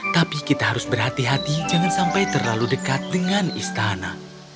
tapi kita harus berhati hati jangan sampai terlalu dekat dengan istana